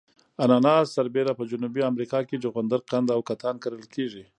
اناناس سربېره په جنوبي امریکا کې جغندر قند او کتان کرل کیږي.